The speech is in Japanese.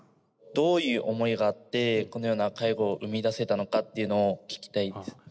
どういう思いがあってこのような介護を生み出せたのかっていうのを聞きたいです。